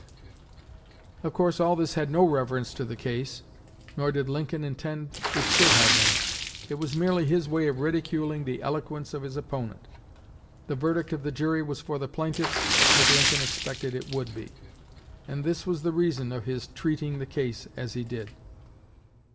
'" Of course all this had no reference to the case, nor did Lincoln intend it should have any. It was merely his way of ridiculing the eloquence of his opponent. The verdict of the jury was for the plaintiff, as Lincoln expected it would be; and this was the reason of his treating the case as he did.